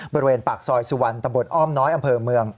บริเวณปากซอยสุวรรณตำบลอ้อมน้อยอำเภอเมือง